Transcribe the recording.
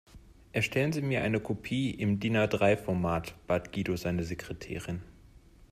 Erstellen Sie mir eine Kopie im DIN-A-drei Format, bat Guido seine Sekretärin.